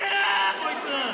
こいつ！